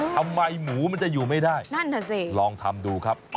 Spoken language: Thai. ทำไมหมูมันจะอยู่ไม่ได้นั่นน่ะสิลองทำดูครับ